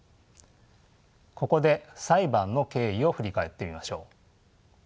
ここで裁判の経緯を振り返ってみましょう。